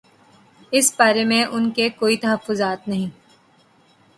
اس بارے میں ان کے کوئی تحفظات نہیں۔